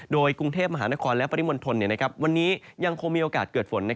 โดยกรุงเทพมหานครและปริมณฑลวันนี้ยังคงมีโอกาสเกิดฝน